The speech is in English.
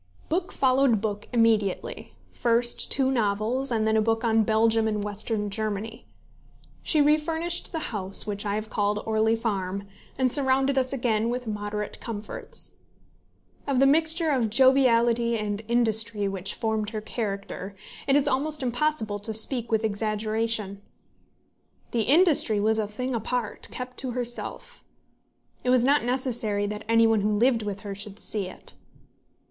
Book followed book immediately, first two novels, and then a book on Belgium and Western Germany. She refurnished the house which I have called Orley Farm, and surrounded us again with moderate comforts. Of the mixture of joviality and industry which formed her character, it is almost impossible to speak with exaggeration. The industry was a thing apart, kept to herself. It was not necessary that any one who lived with her should see it.